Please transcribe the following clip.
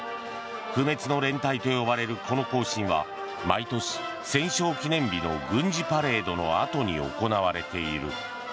不滅の連隊と呼ばれるこの行進は毎年、戦勝記念日の軍事パレードのあとに行われている。